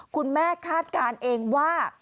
คุณแม่คาดการณ์เองว่า